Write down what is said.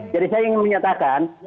jadi saya ingin menyatakan